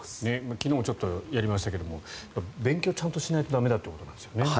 昨日もちょっとやりましたけど勉強、ちゃんとしないと駄目だってことなんですよね。